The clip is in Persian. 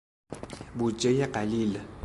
بودجهی قلیل